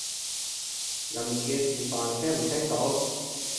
入面嘅示範聽唔聽到？